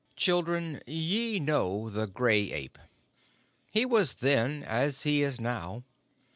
"Children, ye know the Gray Ape. He was then as he is now.